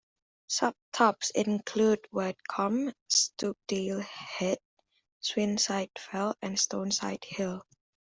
Sub-tops include White Combe, Stoupdale Head, Swinside Fell and Stoneside Hill.